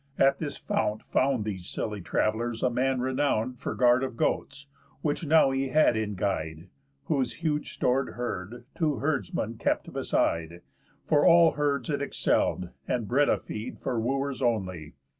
At this fount found These silly travellers a man renown'd For guard of goats, which now he had in guide, Whose huge stor'd herd two herdsmen kept beside, For all herds it excell'd, and bred a feed For Wooers only.